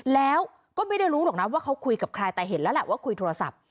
แล้วก็ไม่ได้รู้หรอกนะว่าเขาคุยกับใครแต่เห็นแล้วแหละว่าคุยโทรศัพท์